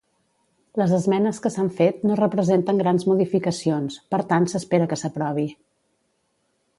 Les esmenes que s'han fet no representen grans modificacions, per tant s'espera que s'aprovi.